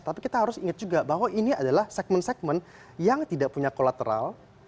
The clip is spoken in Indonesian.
tapi kita harus ingat juga bahwa ini adalah segmen segmen yang tidak punya kolateral